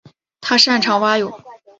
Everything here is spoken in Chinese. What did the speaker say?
他擅长蛙泳。